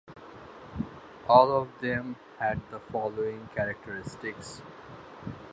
All of them had the following characteristics.